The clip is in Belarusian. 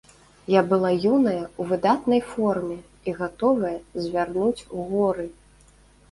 Я была юная, у выдатнай форме і гатовая звярнуць горы!